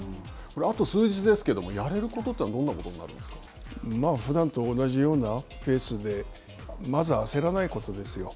あと数日ですけれども、やれることってどんなことになるんですふだんと同じようなペースで、まずは焦らないことですよ。